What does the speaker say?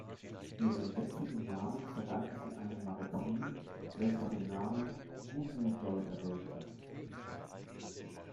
Ihren jetzigen Namen verdanken sie einem Magazin, welches den Namen "goo goo doll" erwähnte.